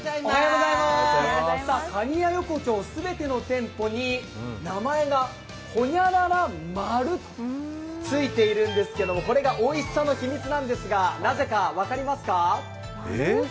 かにや横丁、全ての店舗に名前が「○○丸」とついているんですけれどもこれがおいしさの秘密なんですがなぜか分かりますか？